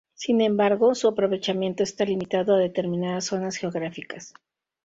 Sin embargo, su aprovechamiento está limitado a determinadas zonas geográficas.